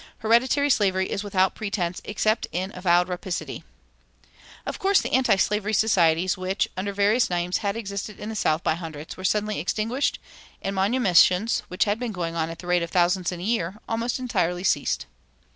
Hereditary slavery is without pretense, except in avowed rapacity."[282:1] Of course the antislavery societies which, under various names, had existed in the South by hundreds were suddenly extinguished, and manumissions, which had been going on at the rate of thousands in a year, almost entirely ceased.